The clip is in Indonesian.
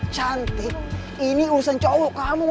cantik ini urusan cowok kamu